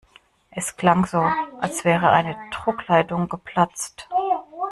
Es klang so, als wäre eine Druckleitung geplatzt.